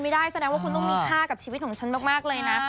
มีค่ากับชีวิตของฉันมากเลยนะ